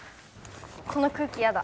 この空気やだ。